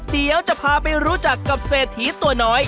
เดี๋ยวจะพาไปรู้จักกับเศรษฐีตัวน้อย